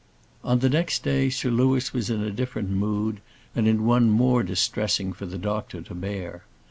On the next day, Sir Louis was in a different mood, and in one more distressing for the doctor to bear.